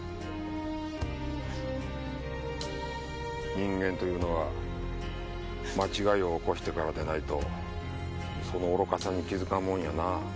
人間というのは間違いを起こしてからでないとその愚かさに気づかんもんやなぁ。